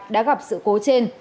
đã gặp sự cố trên